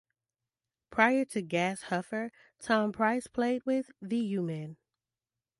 Prior to Gas Huffer, Tom Price played with The U-Men.